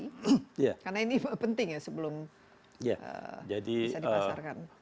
karena ini penting ya sebelum bisa dipasarkan